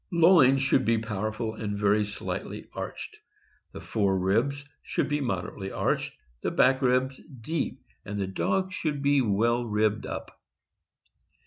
Loin should be powerful and very slightly arched. The fore ribs should be moderately arched, the back ribs deep; and the dog should be well ribbed up.